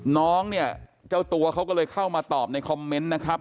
น้องเนี่ยเจ้าตัวเขาก็เลยเข้ามาตอบในคอมเมนต์นะครับ